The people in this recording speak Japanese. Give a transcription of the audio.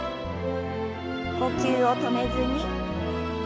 呼吸を止めずに。